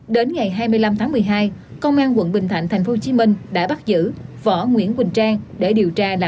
đến ngày hai mươi năm tháng một mươi hai công an quận bình thạnh tp hcm đã bắt giữ võ nguyễn quỳnh trang để điều tra làm rõ